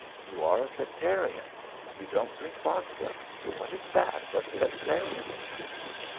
You are a sectarian. You don't drink vodka. What is that but sectarianism?"